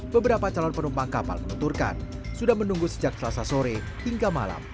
beberapa calon penumpang kapal menuturkan sudah menunggu sejak selasa sore hingga malam